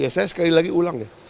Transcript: ya saya sekali lagi ulang ya